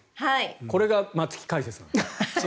これが松木解説なんです。